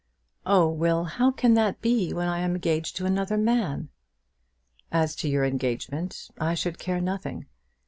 "Oh, Will, how can that be when I am engaged to marry another man?" "As to your engagement I should care nothing.